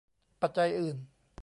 ปัจจัยอื่น